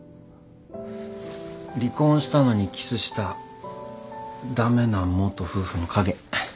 離婚したのにキスした駄目な元夫婦の影。